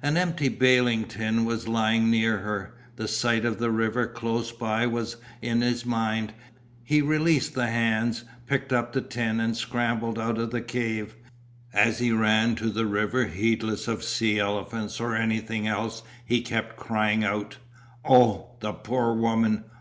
An empty baling tin was lying near her. The sight of the river close by was in his mind, he released the hands, picked up the tin and scrambled out of the cave. As he ran to the river heedless of sea elephants or anything else he kept crying out: "Oh, the poor woman.